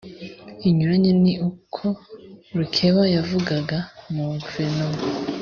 inyuranye ni ko rukeba yavugaga mu wa guverinoma